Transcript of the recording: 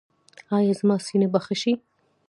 ایا زما سینه به ښه شي؟